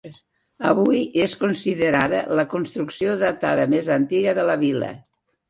Avui és considerada la construcció datada més antiga de la vila.